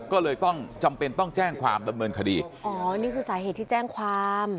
ก็เลยต้องจำเป็นต้องแจ้งความดำเนินคดีอ๋อนี่คือสาเหตุที่แจ้งความ